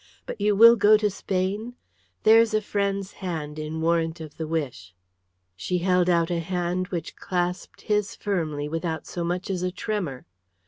But you will go to Spain. There's a friend's hand in warrant of the wish." She held out a hand which clasped his firmly without so much as a tremor.